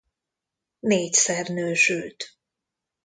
Négyszer nősült.